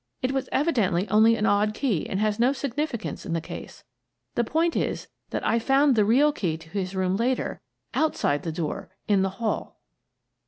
It was evidently only an odd key and has no signifi cance in the case. The point is that I found the real key to his room later — outside the door, in the hall."